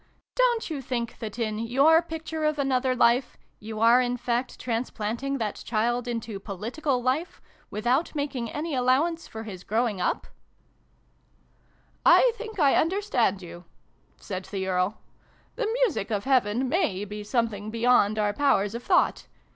Don't you think that, in your picture of another life, you are in fact trans planting that child into political life, without making any allowance for his growing up ?" xvi] BEYOND THESE VOICES. 261 " I think I understand you," said the Earl. " The music of Heaven may be something beyond our powers of thought.